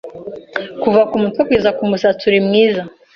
Kuva ku mutwe kugera ku musatsi uri mwiza,